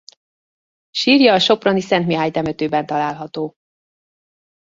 Sírja a soproni Szent Mihály temetőben található.